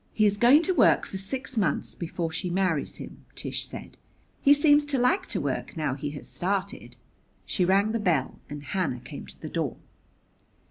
"He is going to work for six months before she marries him," Tish said. "He seems to like to work, now he has started." She rang the bell and Hannah came to the door.